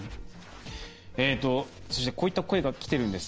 そして、こういった声がきているんです。